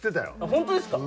本当ですか？